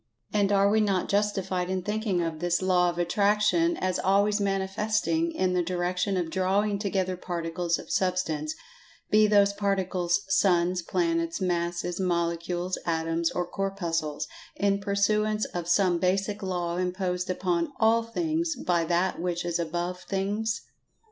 And are we not justified in thinking of this "Law of At[Pg 149]traction" as always manifesting in the direction of drawing together particles of Substance—be those particles suns, planets, masses, molecules, atoms or corpuscles—in pursuance of some basic law imposed upon All things, by That which is above Things?